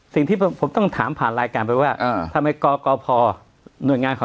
สิ่งที่ผมต้องถามผ่านรายการไปว่า